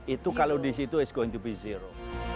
dua ribu enam puluh itu kalau di situ is going to be zero